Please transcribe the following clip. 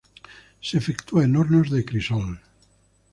Se efectúa en hornos de crisol.